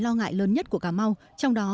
lo ngại lớn nhất của cà mau trong đó